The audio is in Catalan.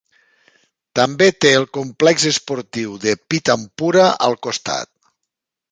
També té el complex esportiu de Pitampura al costat.